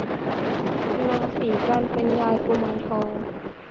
นางสีจันทร์เป็นยายกุมารทอง